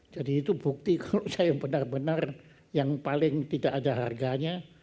jadi itu bukti kalau saya benar benar yang paling tidak ada harganya